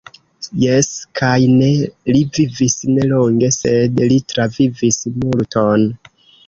Jes kaj ne; li vivis ne longe, sed li travivis multon.